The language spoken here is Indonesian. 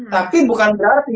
tapi bukan berarti